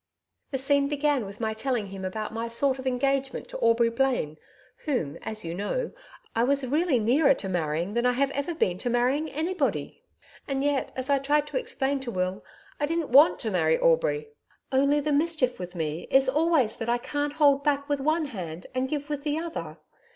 The scene began with my telling him about my sort of engagement to Aubrey Blaine whom as you know, I was really nearer to marrying than I have been to marrying anybody. And yet, as I tried to explain to Will, I didn't WANT to marry Aubrey. Only the mischief with me is always that I can't hold back with one hand and give with the other...